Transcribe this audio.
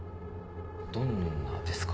どんなですか？